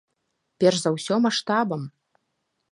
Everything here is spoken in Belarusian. Перш за ўсё, маштабам.